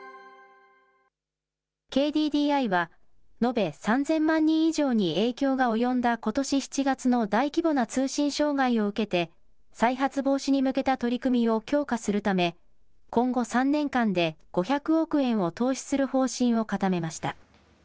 ＫＤＤＩは、延べ３０００万人以上に影響が及んだことし７月の大規模な通信障害を受けて、再発防止に向けた取り組みを強化するため、今後３年間で５００億円を投資する方針を固めました。